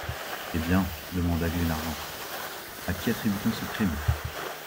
Eh bien! demanda Glenarvan, à qui attribue-t-on ce crime?